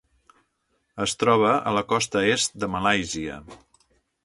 Es troba a la costa est de malàisia.